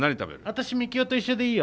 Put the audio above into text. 私ミキオと一緒でいいよ。